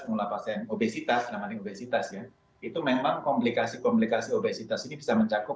mengelola pasien obesitas itu memang komplikasi komplikasi obesitas ini bisa mencakup